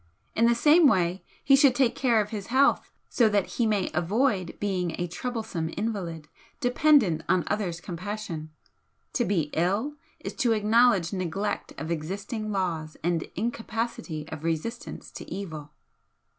In the same way he should take care of his health so that he may avoid being a troublesome invalid, dependent on others' compassion. To be ill is to acknowledge neglect of existing laws and incapacity of resistance to evil."